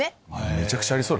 めちゃくちゃありそう。